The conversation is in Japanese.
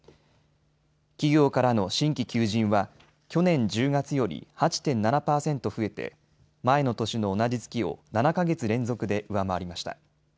企業からの新規求人は去年１０月より８．７％増えて前の年の同じ月を７か月連続で上回りました。